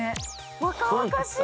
若々しい。